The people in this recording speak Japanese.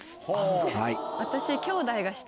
私。